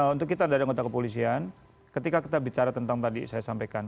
untuk kita dari anggota kepolisian ketika kita bicara tentang tadi saya sampaikan